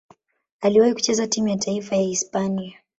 Aliwahi kucheza timu ya taifa ya Hispania.